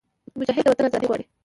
مجاهد د وطن ازادي غواړي.